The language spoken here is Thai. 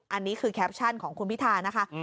อันนี้คือแคปชั่นของคุณพิธานะคะ